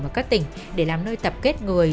ở các tỉnh để làm nơi tập kết người